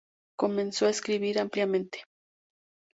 Comenzó a escribir ampliamente.